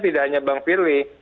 tidak hanya bang firli